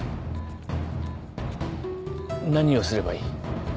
何をすればいい？